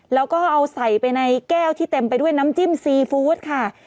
แล้วก็เอาใส่ไปในแก้วที่เต็มไปด้วยน้ำจิ้มซีฟู้ดค่ะ